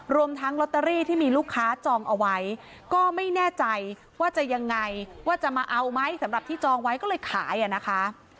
รวมทั้งลอตเตอรี่ที่มีลูกค้าจองเอาไว้ก็ไม่แน่ใจว่าจะยังไงว่าจะมาเอาไหมสำหรับที่จองไว้ก็เลยขายอ่ะนะคะ